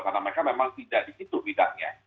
karena mereka memang tidak di situ bidangnya